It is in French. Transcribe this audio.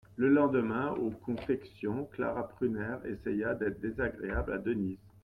Le lendemain, aux confections, Clara Prunaire essaya d'être désagréable à Denise.